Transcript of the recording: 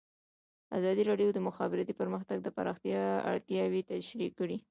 ازادي راډیو د د مخابراتو پرمختګ د پراختیا اړتیاوې تشریح کړي.